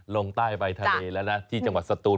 ลงใต้ไปทะเลแล้วนะที่จังหวัดสตูน